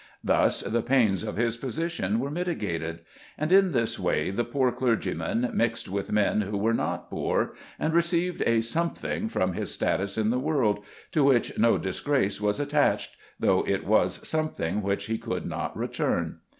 Thus the pains of his position were mitigated. And in this way the poor clergyman mixed with men who were not poor, and received a something from his status in the world, to which no disgrace was attached, though it was something which he could not return.